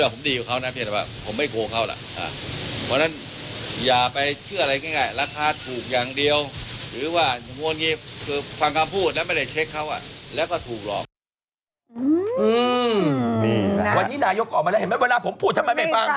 วันนี้นายกออกมาแล้วเห็นไหมเวลาผมพูดทำไมไม่ฟัง